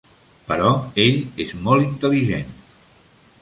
Però ell és molt intel·ligent ...